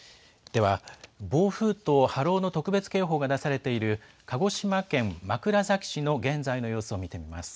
では、暴風と波浪の特別警報が出されている鹿児島県枕崎市の現在の様子を見てみます。